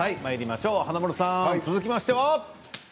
いきましょう、華丸さん続きましては。